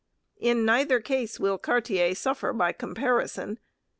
In neither case will Cartier suffer by comparison.